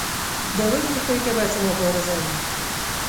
د وږي خېټې به څه مبارزه وي.